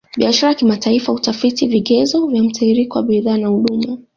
Biashara ya kimataifa hutafiti vigezo vya mtiririko wa bidhaa na huduma